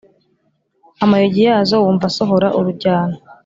amayugi yazo wumva asohora urujyano